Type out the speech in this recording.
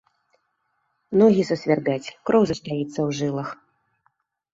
Ногі засвярбяць, кроў застаіцца ў жылах.